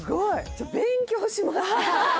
ちょっと勉強します